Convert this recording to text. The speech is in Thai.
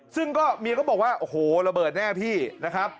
ซึ่งก็เมียก็บอกว่าโอ้โหระเบิดแน่พี่นะครับ